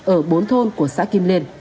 ở bốn thôn của xã kim liên